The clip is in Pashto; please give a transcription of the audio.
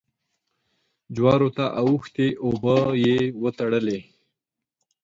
جوارو ته اوښتې اوبه يې وتړلې.